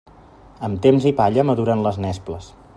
Amb temps i palla maduren les nesples.